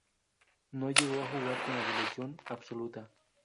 No llegó a jugar con la selección absoluta.